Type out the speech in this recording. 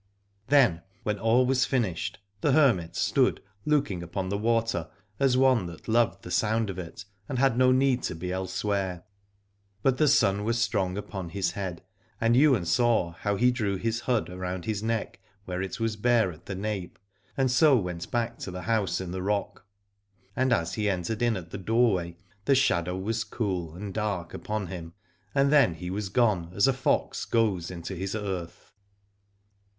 Then when all was finished the hermit stood looking upon the water as one that loved the sound of it and had no need to be elsewhere. But the sun was strong upon his head, and Ywain saw how he drew his hood around his neck where it was bare at the nape, and so went back to the house in the rock. And as he entered in at the doorway the shadow was cool and dark upon him, and then he was gone as a fox goes into his earth.